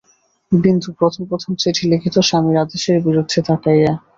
বিন্দু প্রথম প্রথম চিঠি লিখিত, স্বামীর আদেশের বিরুদ্ধে তাকাইয়া।